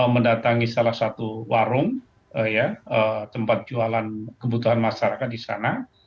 mendatangi salah satu warung tempat jualan kebutuhan masyarakat di sana